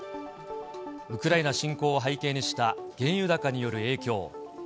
ウクライナ侵攻を背景にした原油高による影響。